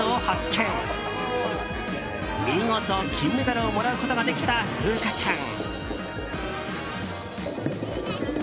見事、金メダルをもらうことができた楓椛ちゃん。